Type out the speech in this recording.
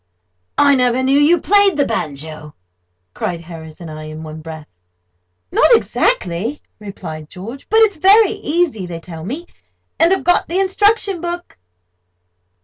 "I never knew you played the banjo!" cried Harris and I, in one breath. "Not exactly," replied George: "but it's very easy, they tell me; and I've got the instruction book!"